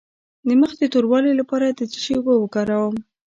د مخ د توروالي لپاره د څه شي اوبه وکاروم؟